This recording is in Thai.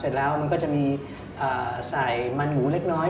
เสร็จแล้วมันก็จะมีใส่มันหมูเล็กน้อย